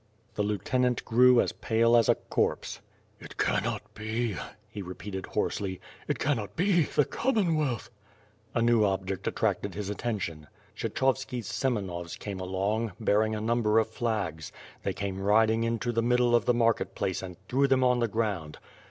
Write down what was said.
The lieutenant grew as pale as a corpse. "It cannot be," he repeated hoarsely, it cannot be ... the Commonwealth " A new object attracted his attention. Kshccliovski's Semenovs came along, bearing a number of flags. They came riding into the middle of the market place and threw them on the ground.